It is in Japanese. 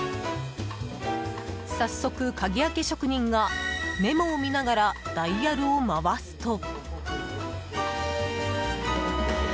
早速、鍵開け職人がメモを見ながらダイヤルを回すと。